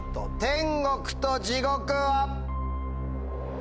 『天国と地獄』は。